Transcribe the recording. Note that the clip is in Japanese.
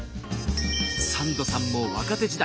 サンドさんも若手時代